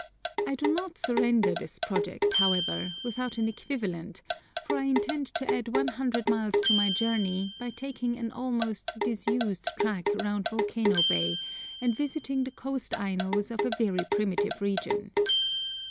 I do not surrender this project, however, without an equivalent, for I intend to add 100 miles to my journey, by taking an almost disused track round Volcano Bay, and visiting the coast Ainos of a very primitive region.